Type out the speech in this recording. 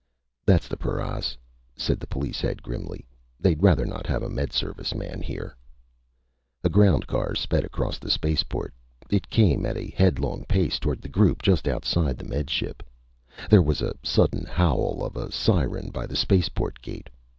"That's the paras," said the police head, grimly. "They'd rather not have a Med Service man here." A ground car sped across the spaceport. It came at a headlong pace toward the group just outside the Med Ship. There was a sudden howl of a siren by the spaceport gate.